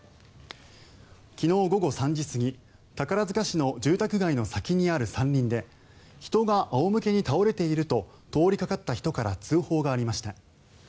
昨日午後３時過ぎ宝塚市の住宅街の先にある山林で人が仰向けに倒れていると通りかかった人から通報がありました。